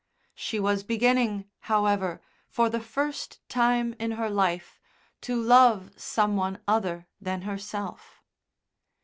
She was beginning, however, for the first time in her life, to love some one other than herself.